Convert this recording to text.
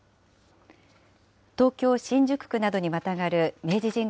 東京・新宿区などにまたがる明治神宮